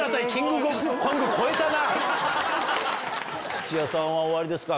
土屋さんはおありですか？